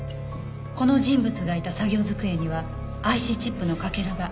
この人物がいた作業机にはＩＣチップのかけらが。